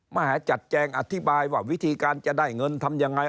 มหาจัดแจงอธิบายว่าวิธีการจะได้เงินทำยังไง